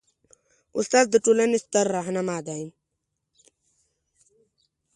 استاد د ټولنې ستر رهنما دی.